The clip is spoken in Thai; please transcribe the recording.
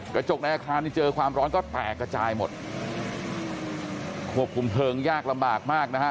กระจกในอาคารที่เจอความร้อนก็แตกกระจายหมดควบคุมเพลิงยากลำบากมากนะฮะ